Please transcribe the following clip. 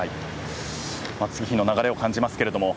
月日の流れを感じますけれども。